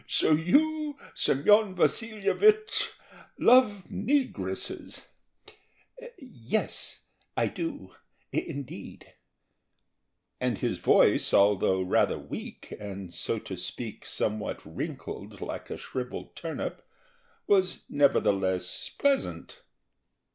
"So you, Semyon Vasilyevich—love negresses?" "Yes, I do, indeed." And his voice, although rather weak, and, so to speak, somewhat wrinkled like a shrivelled turnip, was nevertheless pleasant.